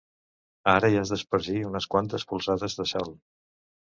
Ara hi has d'espargir unes quantes polsades de sal.